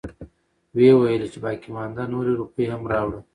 وويلې چې باقيمانده نورې روپۍ هم راوړه.